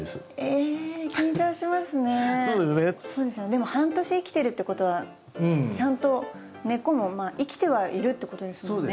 でも半年生きてるってことはちゃんと根っこも生きてはいるってことですもんね。